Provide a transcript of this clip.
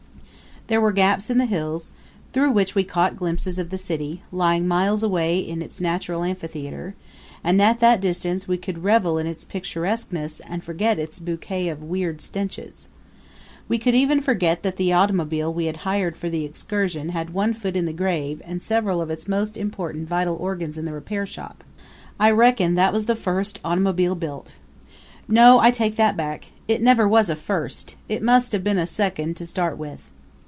There were gaps in the hills, through which we caught glimpses of the city, lying miles away in its natural amphitheater; and at that distance we could revel in its picturesqueness and forget its bouquet of weird stenches. We could even forget that the automobile we had hired for the excursion had one foot in the grave and several of its most important vital organs in the repair shop. I reckon that was the first automobile built. No; I take that back. It never was a first it must have been a second to start with.